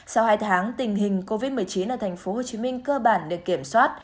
sau hai tháng tình hình covid một mươi chín ở tp hcm cơ bản được kiểm soát